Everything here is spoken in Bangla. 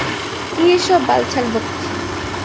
কি এসব বালছাল বকছি?